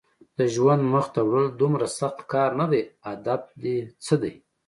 د ژوند مخته وړل دومره سخت کار نه دی، هدف دې څه دی؟